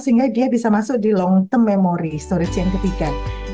sehingga dia bisa masuk di long term memory storage yang ketiga